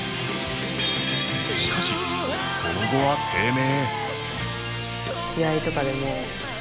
しかしその後は低迷